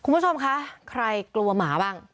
คุณผู้ชมคะใครกลัวหมาบ้าง